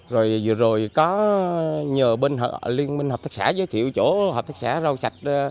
rồi vừa rồi có nhờ bên liên minh hợp tác xã giới thiệu chỗ hợp tác xã rau sạch